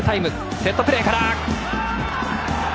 セットプレーから。